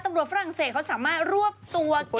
ตำรวจฝรั่งเศสเขาสามารถรวบตัวแก๊งโจรทด